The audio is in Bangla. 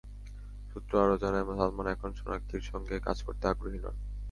সূত্র আরও জানায়, সালমান এখন সোনাক্ষীর সঙ্গে কাজ করতে আগ্রহী নন।